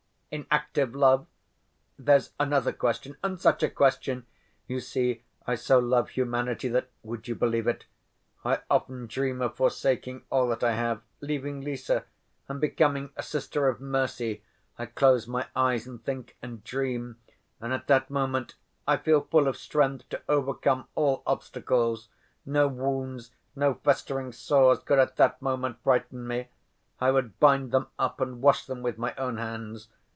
"In active love? There's another question—and such a question! You see, I so love humanity that—would you believe it?—I often dream of forsaking all that I have, leaving Lise, and becoming a sister of mercy. I close my eyes and think and dream, and at that moment I feel full of strength to overcome all obstacles. No wounds, no festering sores could at that moment frighten me. I would bind them up and wash them with my own hands.